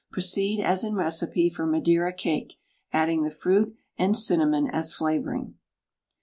Proceed as in recipe for "Madeira Cake," adding the fruit, and cinnamon as flavouring.